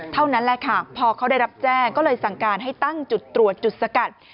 เท่านั้นแหละค่ะพอเขาได้รับแจ้งก็เลยสั่งการให้ตั้งจุดตรวจจุดสกัด